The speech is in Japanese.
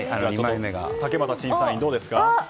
竹俣審査員、どうですか？